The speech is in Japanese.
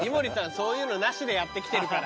そういうのなしでやってきてるから。